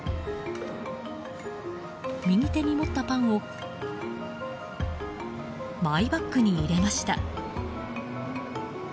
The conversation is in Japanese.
右手に持ったパンをマイバッグに入れました。